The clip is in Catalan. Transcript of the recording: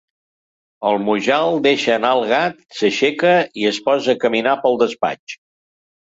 El Mujal deixa anar el gat, s'aixeca i es posa a caminar pel despatx.